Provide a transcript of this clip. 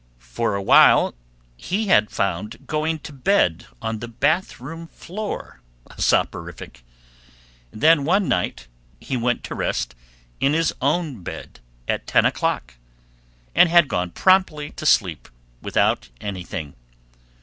For a while he had found going to bed on the bath room floor a soporific; then one night he went to rest in his own bed at ten o'clock, and had gone promptly to sleep without anything.